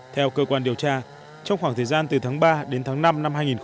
theo cơ quan điều tra trong khoảng thời gian từ tháng ba đến tháng năm năm hai nghìn hai mươi